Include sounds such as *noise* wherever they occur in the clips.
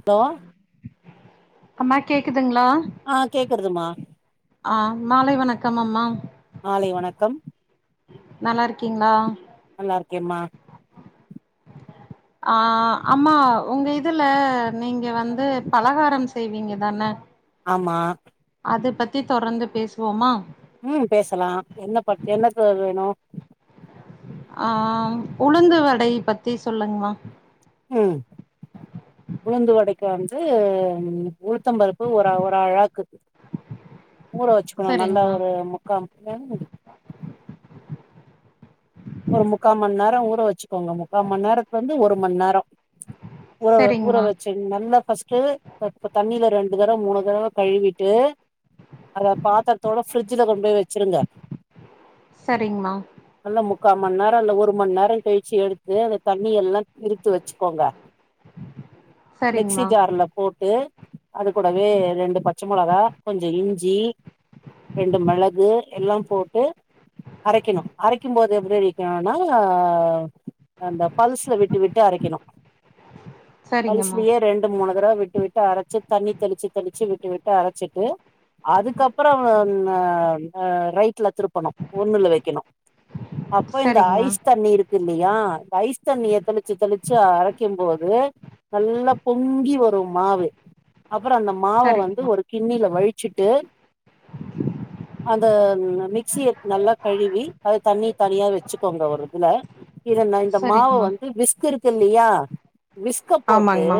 இப்போ அம்மா கேக்குதுங்களா ஆ கேக்குதுமா ஆ மாலை வணக்கம் அம்மா மாலை வணக்கம் நல்லா இருகீங்களா நல்லா இருகேமா ஆ அம்மா உங்க இதுல நீங்க வந்து பலகாரம் செய்வீங்க தானே ஆமா அத பத்தி தொடந்து பேசுவோமா ம் பேசலா என்ன பத்தி என்ன *unintelligible* வேணு ஆ உளுந்து வடை பத்தி சொல்லுங்மா ம் உளுந்து வடைக்க வந்து உளுத்த பருப்பு ஒரு ஒரு அளக்குக்கு ஊற வச்சுக்கணு நல்லா சரிங்கமா ஒரு முக்கா *unintelligible* ஒரு முக்க மணி நேரோ ஊற வச்சுக்கோங்க மு முக்கா மணி இருந்து ஒரு மணி நேரம் உற ஊற சரிங்கமா வச்சு நல்லா ஃபர்ஸ்டு இப்ப ப தண்ணியில ரெண்டு தடவ மூணு தடவ கழுவிட்டு அத பாத்திரத்தோட ஃபரிட்ஜல கொண்டு போய் வச்சிருங்க சேரிங்கமா நல்ல முக்கா மணி நேரோ இல்ல ஒரு மணி நேரோ கழிச்சு எடுத்து அந்த தண்ணி எல்லா இரு த்து வச்சுக்கோங்க மிக்சி சரிங்கமா ஜார்ல போட்டு அது கூடவே ரெண்டு பச்ச மிளகா கொஞ்சோ இஞ்சி ரெண்டு மிளகு எல்லா போட்டு அரைக்கணு அரைக்கு போ எப்படி அடிக்கணும்னா அந்த பல்ஸ்ல விட்டு விட்டு அரைக்கணு சரிங்கமா பல்சலியே ரெண்டு மூணு தடவ விட்டு விட் விட்டு அரைச்சு தண்ணி தெளிச்சு தெளிச்சு விட்டு விட்டு அரைச்சிட்டு அதுக்கப்புறம் அ அ ரைட்ல திருப்பணு ஒண்ணுல வைக்கணு சரிங்கம்மா அப்போ இந்த சரிங்கமா ஐஸ் தண்ணி இருக் இல்லையா ஐஸ் தண்ணிய தெளிச்சு தெளிச்சு அரைக்கும் போது நல்லா பொங்கி வரும் மாவு அப்புற அந்த மாவ வந்து சரிங்கமா ஒரு கிண்ணில வழிச்சுட்டு அந்த மிக்சிய நல்லா கழுவி அது தண்ணி தனியா வச்சுக்கோங்க ஒரு இதுல இத நா இந்த மாவ சரிங்கமா வந்து விஸ்க் இருக்கு இல்லியா விஸ்க போட்டு ஆமாங்கமா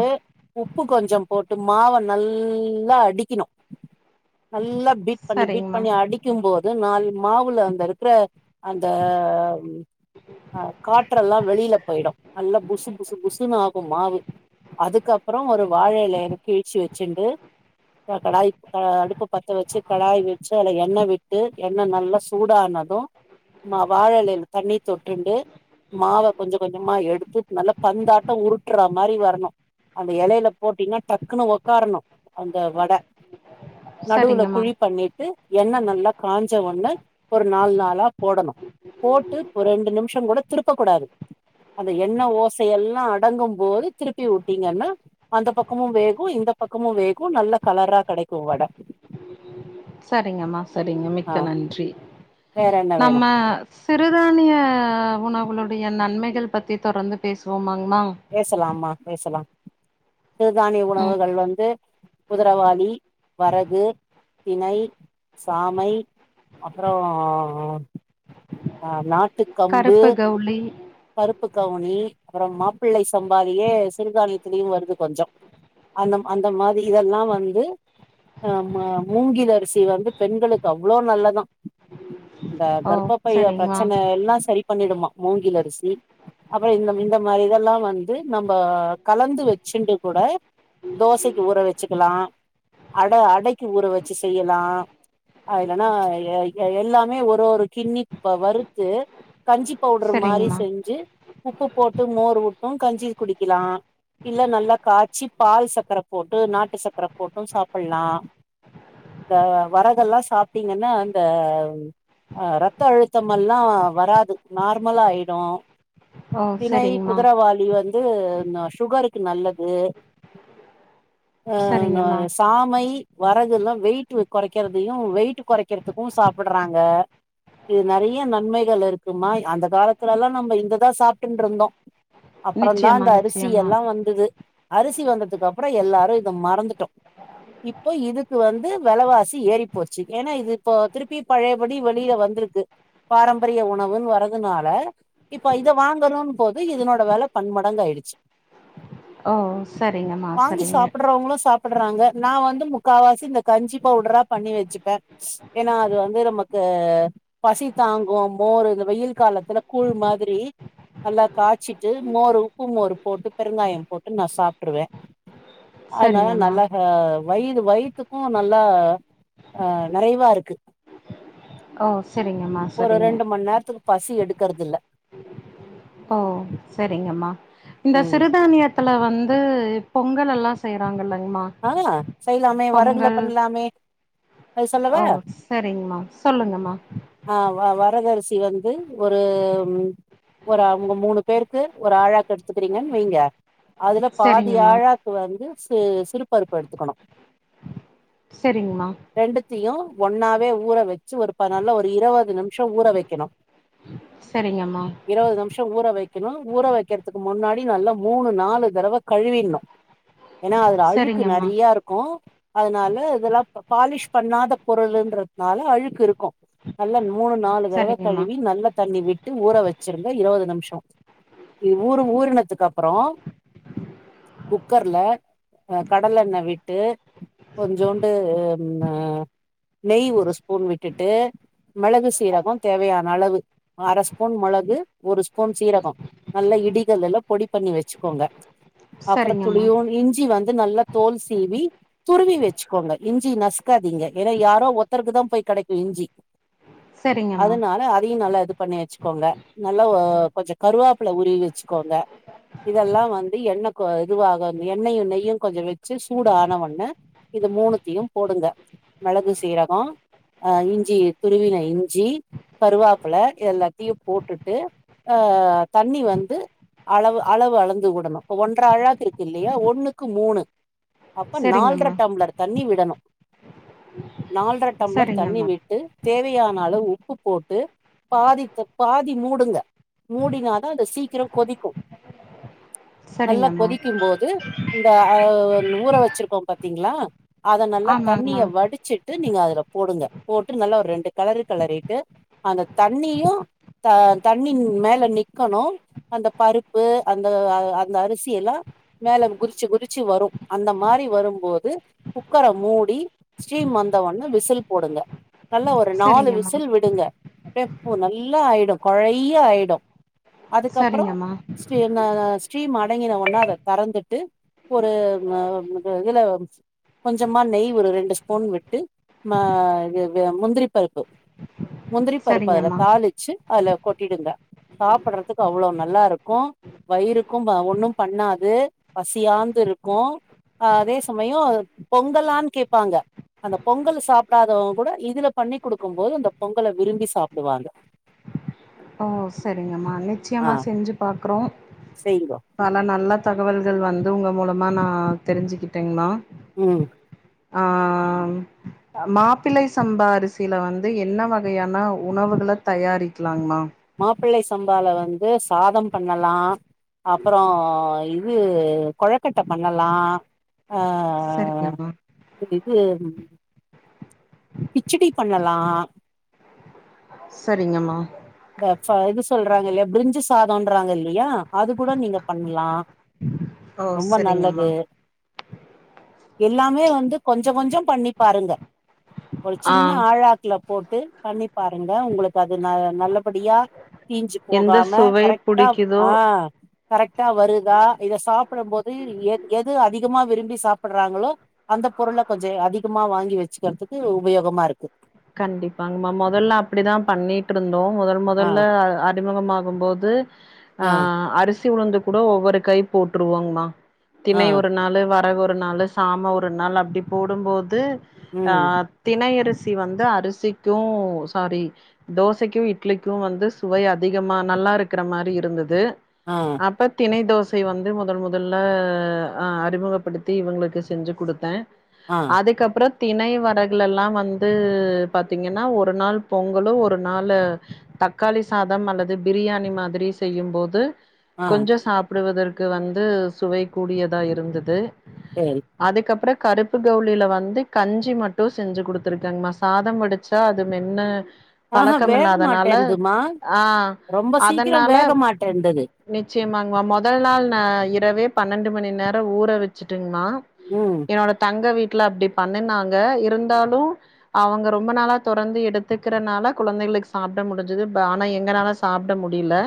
உப்பு கொஞ்சம் போட்டு மாவை நல்லா அடிக்கணும் நல்லா பீட் பண்ணி பீட் சரிங்கமா பண்ணி அடிக்கும் போது நாலு மாவுல அந்த இருக்கிற அந்த காற்றெல்லா வெளியில போயிடு நல்லா புசு புசு புசுன்னு ஆகும் மாவு அதுக்கப்புற ஒரு வாழயலய கிழிச்சு வச்சுண்டு கடாய் அடுப்ப பத்த வச்சு கடாய் வச்சு அதல எண்ணெய் விட்டு எண்ண நல்லா சூடானது வாழ எலல தண்ணீ தொட்டுண்டு மாவ கொஞ்சம் கொஞ்சமா எடுத்து நல்லா பந்தாட்டம் உருட்ற மாரி வரணு அந்த எலையில போட்டீனா டக்குனு ஒக்காரணும் அந்த வட நடுவுல சரிங்கம்மா குழி பண்ணிட்டு எண்ணெய் நல்லா காஞ்ச ஒன்ன ஒரு நால் நாளா போடணும் போட்டு ஒரு ரெண்டு நிமிஷொ கூட திருப்ப கூடாது அந்த எண்ணெ ஓசையல்லாம் அடங்கும் போது திருப்பி வுட்டீங்கன்னா அந்தப்பக்கமு வேகும் இந்த பக்கமும் வேகும் நல்ல கலரா கெடைக்கும் வட சரிங்கம்மா சரிங்க ஆ மிக்க நன்றி வேற என்ன வேணு நம்ம சிறுதானிய உணவுகளுடைய நன்மைகள் பற்றி தொடர்ந்து பேசுவோமாங்மா பேசலாம்மா பேசலாம் சிறுதானிய ம் உணவுகள் வந்து குதிரவாளி வரகு திணை சாமை அப்புற அ நாட்டு கம்பு கருப்பு கவுளி கருப்பு கவுனி அப்புறம் மா ப்பிள்ளை சம்பாலயே சிறுதானியத்திலேயு வருது கொஞ்சம் அந்த அந்த மாதிரி இதெல்லா வந்து ஆமா மூங்கில் அரிசி வந்து பெண்களுக்கு அவ்வளோ நல்லதா அந்த ஓ கர்பப்பைய சரிங்மா பிரச்சன எல்லா சரி பண்ணிடுமா மூங்கில் அரிசி அப்புற இந்த இந்த மாதிரி இதெல்லா வந்து நம்ம கலந்து வச்சுண்டு கூட தோசைக்கு ஊற வச்சுக்கலா அட அடைக்கு ஊற வச்சு செய்யலாம் ஆ இல்லனா எல்லாமே ஒரு ஒரு கிண்ணி வ வறுத்து கஞ்சி பவுட்ரு மாரி சரிங்மா செஞ்சு உப்பு போட்டு மோர் வுட்டும் கஞ்சி குடிக்கலா இல்ல நல்லா காச்சி பால் சக்கர போட்டு நாட்டு சக்கர போட்டும் சாப்புல்லா இந்த வரகல்லா சாப்ட்டீங்கன்னா இந்த அ ரத்த அழுத்தமெல்லா வராது நார்மலாயிடும் ஓ திணை கு சரிங்மா திரவாலி வந்து சுகருக்கு நல்லது ஆ ந சரிங்கம்மா சாமை வரகு எல்லா வெயிட் கொறைக்கறதையு வெயிட் கொறைக்கிறதுக்கு சாப்படுறாங்க இது நறையா நன்மைகள் இருக்குமா அந்த காலத்துலல்லா நம்ம இததா சாப்ட்டுண்டு இருந்தோ அப்பறந்தா நிச்சயமா இந்த அரிசி நிச்சயமா எல்லா வந்தது அரிசி வந்ததுக்கு அப்புற எல்லாரும் இத மறந்துட்டோ இப்ப இதுக்கு வந்து வெலவாசி ஏறிப்போச்சு ஏன்னா இது இப்போ திருப்பி பழையபடி வெளில வந்துருக்கு பாரம்பரிய உணவுன்னு வர்றதுனால இப்ப இத வாங்கணுன் போது இதனோட வெல பண்மடங்காயிடுச்சு ஓ சரிங்கம்மா வாங்கி சரிங்க சாப்பட்றவங்களும் சாப் படுறாங்க நா வந்து முக்காவாசி இந்த கஞ்சி பவுடரா பண்ணி வச்சுப்பே ஏன்னா அது வந்து நமக்கு பசி தாங்கு மோர் இந்த வெயில் காலத்துல கூழ் மாதிரி நல்லா காய்ச் சிட்டு மோர் உப்பு மோர் போட்டு பெருங்காயம் போட்டு நா சாப்ட்ருவே அதுனால சரிங்கம்மா நல்லா ஆ வயிறு வயித்துக்கு நல்லா ஆ ஆ நெறைவா இருக்கு ஓ சரிங்கம்மா ஒரு சரிங்க ரெண்டு மண் நேரத்துக்கு பசி எடுக்கறதில்ல ஓ சரிங்கம்மா இந்த ம் சிறுதானிய த்துல வந்து பொங்கல் எல்லா செய்றாங்கல்லங்கமா ஆ செய்யலாமே வரகுல பண்ணலாமே அது ஓ சொல்லவா சரிங்கமா சொல்லுங்கம்மா ஆ வ வரகரிசி வந்து ஒரு ஒரு அவங்க மூணு பேருக்கு ஒரு ஆழாக்கு எடுத்துக்கிறீங்கன்னு வைங்க அதுல பாதி சரிங்கம்மா ஆழாக்கு வந்து சி சிறுபருப்பு எடுத்துக்கணு சரிங்கமா ரெண்டுத்தையு ஒன்னாவே ஊற வச்சு ஒரு ப நல்லா ஒரு இருவது நிமிஷ ஊற வைக்கணு சரிங்கம்மா இருவது நிமிஷ ஊற வைக்கணு ஊற வைக்கிறதுக்கு முன்னாடி நல்லா மூணு நாலு தடவ கழுவிர்ணு ஏன்னா அதுல அழுக்கு சரிங்கம்மா நெறையாருக்கு அதனால இதெல்லா பாலிஷ் பண்ணாத பொருள்ன்றதுனால அழுக்கு இருக்கு நல்லா மூணு நாலு தடவ சரிங்கம்மா கழுவி நல்ல தண்ணி விட் டு ஊற வச்சிருங்க இருவது நிமிஷ ஊரு ஊறினதுக்கு அப்பற குக்கர்ல கடலண்ண விட்டு கொஞ்சூண்டு ம்ம நெய் ஒரு ஸ்பூன் விட்டுட்டு மெளகு சீரக தேவையான அளவு அர ஸ்பூன் மொளகு ஒரு ஸ்பூன் சீரக நல்லா இடிகல்லுல பொடி பண்ணி வச்சுக்கோங்க அப்ற சரிங்கம்மா துளியு இஞ்சி வந்து நல்லா தோல் சீவி துருவி வச்சுக்கோங்க இஞ்சி நசுக்காதீங்க ஏன்னா யாரோ ஒத்தருக்குதா போய் கெடைக்கு இஞ்சி சரிங்கம்மா அதனால அதையு நல்லா இது பண்ணி வச்சுக்கோங்க நல்லா ஓ கொஞ்ச கருவாப்புல உருவி வச்சுக்கோங்க இதெல்லா வந்து எண்ண கொ இதுவாகனு எண்ணயு நெய்யு கொஞ்ச விட் ச்சு சூடு ஆன ஒண்ணே இது மூணுத்தையும் போடுங்க மெளகு சீரக அ இஞ்சி துருவின இஞ்சி கருவாப்புல எல்லாத்தையு போட்டுட்டு அ தண்ணி வந்து அளவு அளவு அளந்து விடணு இப்ப ஒன்ற அழாக்கு இருக்கு இல்லையா ஒண்ணுக்கு மூணு அப்ப நால்ர சரிங்கம்மா டம்ளர் தண்ணி விடணு நால்ர டம்ளர் தண்ணி சரிங்கம்மா விட் ட்டு தேவையானால உப்பு போட்டு பாதித்த பாதி மூடுங்க மூடினாதா அந்த சீக்கிர கொதிக்கு சரிங்கம்மா கொதிக்கும்போது இந்த அ ஊற வச்சிருக்கோம் பாத்தீங்களா அத நல்லா தண்ணிய ஆமாங்கம்மா வடி ச்சுட்டு நீங்க அதுல போடுங்க போட்டு நல்லா ஒரு ரெண்டு கலரு கலறிட்டு அந்த தண்ணியு த தண்ணி மேல நிக்கணு அந்த பருப்பு அந்த அந்த அரிசி எல்லாம் மேல குதிச்சு குதிச்சு வரு அந்த மாரி வரும்போது குக்கர மூடி ஸ்ரீ மந்தவன்னு விசில் போடுங்க நல்லா ஒரு நாலு சரிங்கம்மா விசில் விடுங்கப் பே பூ நல்லா ஆயிடும் கொழையா ஆயிடும் அதுக்கப்புறம் சரிங்கம்மா ஸ்ரீ ந ஸ்ரீரீம் அடங்கின ஒனே அத தறந்துட்டு ஒரு ஆ என்னது இதுல கொஞ்சமா நெய் ஒரு ரெண்டு ஸ்பூன் விட்டு ம இது இது முந்திரி பருப்பு முந்திரி பருப்பு அதுல சரிங்கம்மா தாளிச்சு அதுல கொட்டிடுங்க சாப்படுறதுக்கு அவ்வளோ நல்லா இருக்கும் வயிருக்கும் ஒன்னும் பண்ணாது பசியாந்து இரு க்கும் ஆ அதே சமயம் அத பொங்கலான்னு கேட்பாங்க அந்த பொங்கல் சாப்டாதவங்க கூட இதுல பண்ணி் கொடுக்கும் போது அந்த பொங்கல விரும்பி சாப்டுவாங்க ஓ சரிங்கம்மா ஆ நிச்சயமா செஞ்சு பாக்குறோம் செய்ங்கோ பல நல்ல தகவல்கள் வந்து ஒங்க மூலமா நா தெரிஞ்சுக்கிட்டேங்ம்மா ம் ஆம் மாப்பிள்ளை சம்பா அரிசியில வந்து என்ன வகையான உணவுகள தயாரிக்கலாங்மா மாப்பிள்ளை சம்பால வந்து சாதம் பண்ணலா அப்புறம் இது கொழக்கட்டை பண்ணலா ஆ சரிங்கம்மா இது பிச்சடி பண்ணலா சரிங்கம்மா ப ச இந்த இது சொல்றாங்க இல்லையா பிரிஞ்சு சாதம்ன்றாங்க இல்லையா அது கூட நீங்க பண்லா ஓ ரொம்ப சரிங்கம்மா நல்லது எல்லாமே வந்து கொஞ்சம் கொஞ்சம் பண்ணி பாருங்க ஒரு ஆ சின்ன ஆழாக்ல போட்டு பண்ணி பாருங்க உங்ளுக்கு அது ந நல்லபடியா தீஞ்சு எந்த போகாம சுவை கரெக்ட்டா புடிக்குதோ ஆ கரெக்ட்டா வருதா இத சாப்டும் போது எ எது அதிகமா விரும்பி சாப்புறாங்களோ அந்த பொருள கொஞ்சம் அதிகமா வாங்கி வச்சுக்கிறதுக்கு உபயோகமா இருக்கு கண்டிப்பாங்கம்மா மொதல்ல அப்டிதான் பண்ணிட்டு இருந்தோம் மொதல் ஆ மொதல்ல அறிமுகமாகும் போது து ஆ அரிசி உழுந்து கூட ஒவ்வொரு கை போட்டுருவோங்ம்மா ஆ தினை ஒரு நாள் ளு வரகு ஒரு நாளு சாம ஒரு நாள் அப்டி போடும்போது அ ம் தினையரிசி வந்து அரிசிக்கும் சாரி தோசைக்கும் இட்லிக்கும் வந்து சுவை அதிகமா நல்லா இருக்ற மாரி இருந்தது ஆ அப்போ திணை தோசை வந்து முதல் முதல்ல அ அறிமுகப்படுத்தி இவுங்களுக்கு செஞ்சு கொடுத்தேன் ஆ அதுக்கப்றோ திணை வரகுலலா வந் து பாத்தீங்கன்னா ஒரு நாள் பொங்குலு ஒரு நாளு தக்காளி சாதம் அல்லது பிரியாணி மாதிரி செய்யும்போது ஆ கொஞ்சோ சாப்டுவதற்கு வந்து சுவை கூடியதா இருந்துது செரி அதுக்கப்றோ கருப்பு கவுலில வந்து கஞ்சி மட்டு செஞ்சு குடுத் துருகேங்மா சாதம் வெடிச்சா அது மென்னு ஆஹா பழக்கம் வேக இல்லாதனால மாட்டேன்துமா ஆ ரொம்ப சீக்கிரம் அதனால வேக மாட்டேன்டுது நிச்சயமாங்மா மொதல் நாள் நா இரவே பன்னெண்டு மணி நேரோ ஊற வெச்சிடுக்மா ம் என்னோட தங்க வீட்ல அப்டி பண்ணுனாங்க இருந்தாலு அவுங்க ரொம்ப நாளா தொடந்து எடுத்துக்கிறனால குழந்தைங்ளுக்கு சாப்ட முடிஞ்சுது பா ஆனா எங்கனால சாப்ட முடில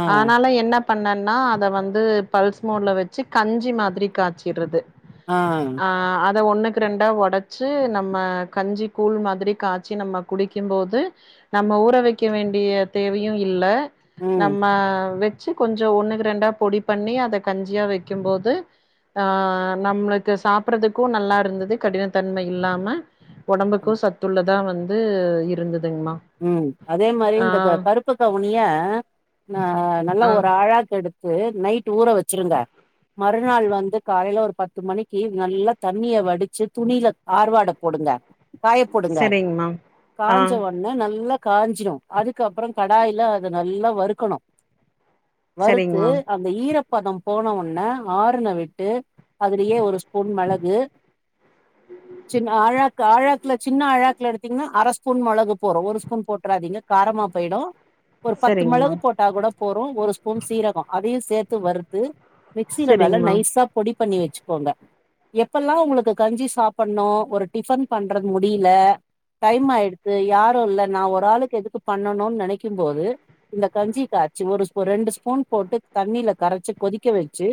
ஆ ஆனால என்னப் பண்ணேனா அத வந்து பல்ஸ் மோட்லே வெச்சு கஞ்சி மாரி காய்ச்சிர்ருது ஆ ஆ அத ஒண்ணுக்கு ரெண்டா ஒடச்சி நம்ம கஞ்சி கூழ் மாதிரி காய்ச்சி நம்ம குடிக்கு போது நம்ம ஊற வெக்க வேண்டிய தேவையு இல்ல ம் நம்ம வெ ச்சு கொஞ்சோ ஒண்ணுக்கு ரெண்டா பொடி பண்ணி அத கஞ்சியா வைக்கு போது ஆ நம்ளுக்கு சாப்புறதுக்கு நல்லாயிருந்துது கடினத்தன்ம இல்லாம ஒடம்புக்கு ம் சத்துள்ளதா வந்து இருந்துதுங்கமா ம் அதே மாரி இந்த கருப்பு கவுனிய ஆ நல்லா ஆ ஒரு ஆழாக்கு எடுத் து நைட் ஊற வெச்சிருங்க மறுநாள் வந்து காலையில ஒரு பத்து மணிக்கு நல்லா தண்ணிய வடிச்சு துணில ஆர்வாட போடுங்க காய போடுங்க சரிங்கம்மா. ஆ காஞ்ச ஒ ன்னே நல்லா காஞ்சிடு அதுக்கப்றோ கடாய்ல அத நல்லா வறுக்கணு வறுத்து சரிங்கம்மா அந்த ஈரப்பதம் போன ஒன்னே ஆறுன விட்டு அதுலேயே ஒரு ஸ்பூன் மெளகு சின் ஆழாக்கு ஆழாக்ல சின்ன ஆழாக்ல எடுத்திங்னா அர ஸ்பூன் மெளகு போறோ ஒரு ஸ்பூன் போட்றாதீங்க காரமா போயிடு ஒரு பத்து சரிங்கம்மா மெளகு போட்டா கூட போறு ஒரு ஸ்பூன் சீரகோ அதையு சேத்து வறுத்து மிக்சில நல்லா சரிங்கம்மா. நைசா பொடி பண்ணி வெச்சுக்கோங்க எப்பெல்லா உங்ளுக்கு கஞ்சி சாப்புண்ணு ஒரு டிஃபன் பண்றது முடில டைம் ஆயிடுத்து யாரோ இல்ல நா ஒரு ஆளுக்கு எதுக்கு பண்ணனுன் நெனைக்கு போது இந்த கஞ்சி காய்ச்சி ஒரு ஸ்ப் ரெண்டு ஸ்பூன் போட்டு தண்ணில கரைச்சு கொதிக்க வெச்சு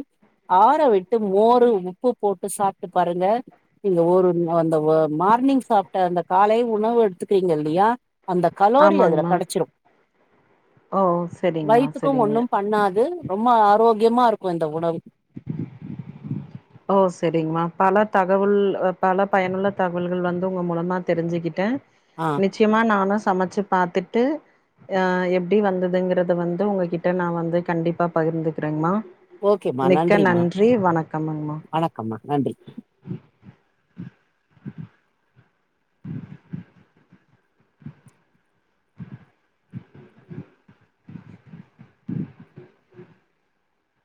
ஆற விட்டு மோரு உப்பு போட்டு சாப்ட்டு பாருங்க நீங்க ஒரு அந்த அ மார்னிங் சாப்ட அந்த காலை உணவு எடுத்துக்கிறீங்க இல்லியா அந்த கலோரி அதுல ஆமாங்கம்மா. கடச்சிடு ஓ சரிங்கம்மா வயித்துக்கு சரிங்க. ஒண்ணு பண்ணாது ரொம்ப ஆரோக்கியமா இருக்கு இந்த உணவு ஓ செரிங்மா பல தகவுல் பல பயனுள்ள தகவுல்கள் வந்து உங்க மூலமா தெரிஞ்சுகிட்டே ஆ நிச்சியமா நானு சமைச்சு பாத்துட்டு அ எப்டி வந்துதுங்கிறத வந்து உங்ககிட்ட நா வந்து கண்டிப்பா பகிர்ந்துகிறேங்மா ஓகேமா மிக்க நன்றிமா நன்றி வணக்கம் அம்மா வணக்கம்மா நன்றி